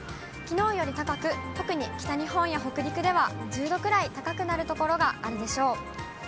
きのうより高く、特に北日本や北陸では１０度くらい高くなる所があるでしょう。